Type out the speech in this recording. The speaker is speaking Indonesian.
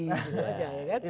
itu saja ya kan